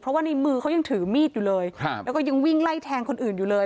เพราะว่าในมือเขายังถือมีดอยู่เลยครับแล้วก็ยังวิ่งไล่แทงคนอื่นอยู่เลย